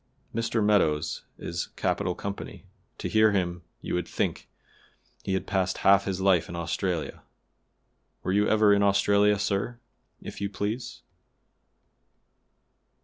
Mr. Meadows is capital company; to hear him you would think he had passed half his life in Australia. Were you ever in Australia, sir, if you please?"